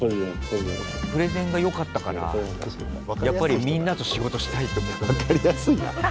プレゼンがよかったからやっぱりみんなと仕事したいと思ったんだ。